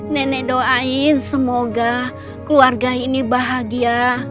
nenek doain semoga keluarga ini bahagia